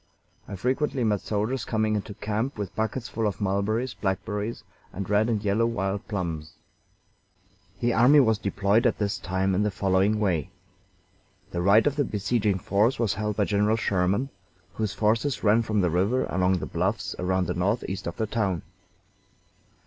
I frequently met soldiers coming into camp with buckets full of mulberries, blackberries, and red and yellow wild plums. The army was deployed at this time in the following way: The right of the besieging force was held by General Sherman, whose forces ran from the river along the bluffs around the northeast of the town.